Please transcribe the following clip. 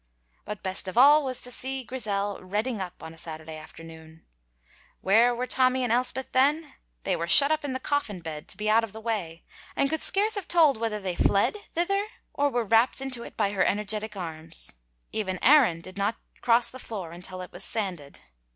But best of all was to see Grizel "redding up" on a Saturday afternoon. Where were Tommy and Elspeth then? They were shut up in the coffin bed to be out of the way, and could scarce have told whether they fled thither or were wrapped into it by her energetic arms. Even Aaron dared not cross the floor until it was sanded.